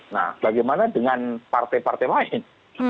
nah bagaimana dengan partai partai lain